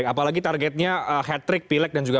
apalagi targetnya hetrik pilek dan juga